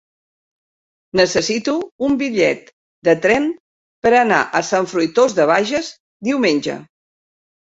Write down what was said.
Necessito un bitllet de tren per anar a Sant Fruitós de Bages diumenge.